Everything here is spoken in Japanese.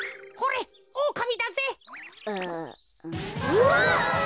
うわっ。